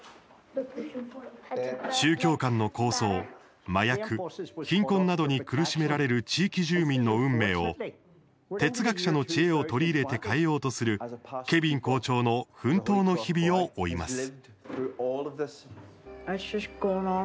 宗教間の抗争、麻薬貧困などに苦しめられる地域住民の運命を哲学者の知恵を取り入れて変えようとするケヴィン校長の奮闘の日々を追います。